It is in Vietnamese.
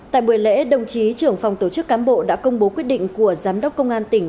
tại buổi lễ đồng chí trưởng phòng tổ chức cám bộ đã công bố quyết định của giám đốc công an tỉnh